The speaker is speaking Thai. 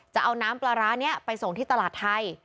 จะเอาน้ำปลาร้านี้ไปส่งที่ตลาดไทย